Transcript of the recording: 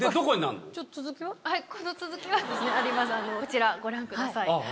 こちらご覧ください。